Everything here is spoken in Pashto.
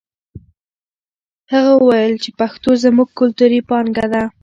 هغه وویل چې پښتو زموږ کلتوري پانګه ده.